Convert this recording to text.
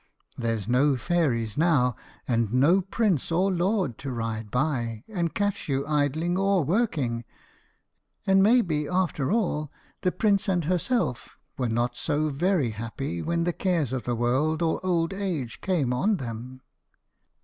There's no fairies now, and no prince or lord to ride by, and catch you idling or working; and maybe, after all, the prince and herself were not so very happy when the cares of the world or old age came on them."